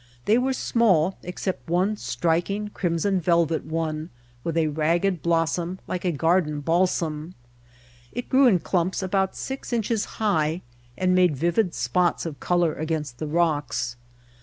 They were small except one striking crimson velvet one with a ragged blos som like garden balsam. It grew in clumps about six inches high and made vivid spots of color against the rocks.